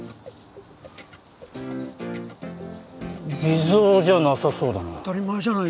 偽造じゃなさそうだな。